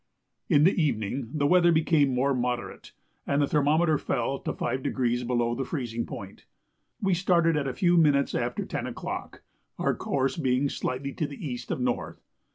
In the evening the weather became more moderate, and the thermometer fell to 5° below the freezing point. We started at a few minutes after 10 o'clock, our course being slightly to the east of north.